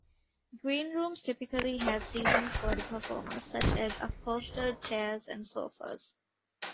Green rooms typically have seating for the performers, such as upholstered chairs and sofas.